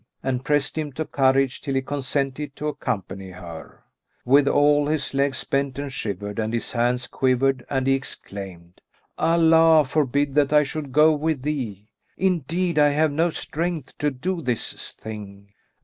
and pressed him to courage till he consented to accompany her; withal, his legs bent and shivered and his hands quivered and he exclaimed, "Allah forbid that I should go with thee! Indeed, I have not strength to do this thing!"